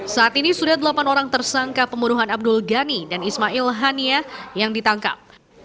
saat ini sudah delapan orang tersangka pembunuhan abdul ghani dan ismail hania yang ditangkap